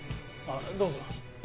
ああどうぞ。